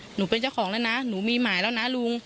หนูเป็นเจ้าของแล้วนะหนูมีหมายแล้วนะลุง